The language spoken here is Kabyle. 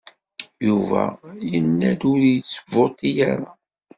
Yuba yenna-d ur yettvuṭi ara.